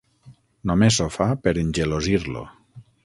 Només ho fa per engelosir-lo.